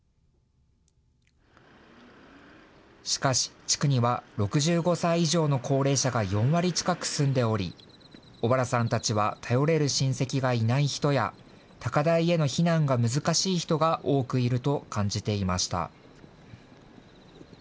しかし地区には６５歳以上の高齢者が４割近く住んでおり小原さんたちは頼れる親戚がいない人や高台への避難が難しい人が多くいると感じていました。